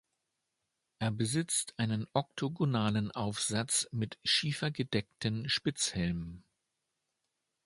Er besitzt einen oktogonalen Aufsatz mit schiefergedeckten Spitzhelm.